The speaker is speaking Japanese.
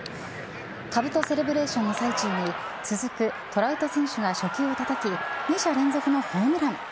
かぶとセレブレーションの最中に続くトラウト選手が初球をたたき、２者連続のホームラン。